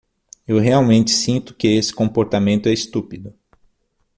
Eu realmente sinto que esse comportamento é estúpido.